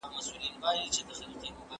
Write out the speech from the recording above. ځکه نهٔ کوي یو څیز پهٔ ما اثر بل